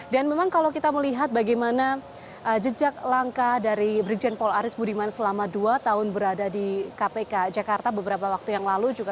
dan memang kalau kita melihat bagaimana jejak langsung